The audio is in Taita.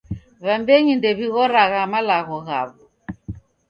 W'ew'eni ndew'ighoragha malagho ghaw'o.